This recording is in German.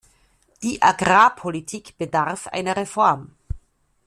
Die Agrarpolitik bedarf einer Reform.